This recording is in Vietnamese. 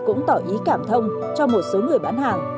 cũng tỏ ý cảm thông cho một số người bán hàng